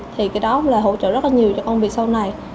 thì cái đó là hỗ trợ rất nhiều cho công việc sau này